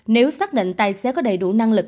nếu xác định tài xế có đầy đủ năng lực